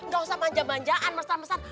gak usah manja manjaan besar besar